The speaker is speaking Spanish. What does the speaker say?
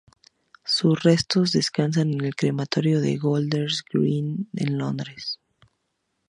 Sus restos descansan en el Crematorio de Golders Green en Londres.